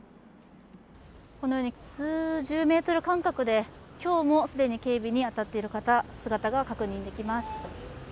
このように数十メートル間隔で今日も既に警備に当たっている方姿が確認できます。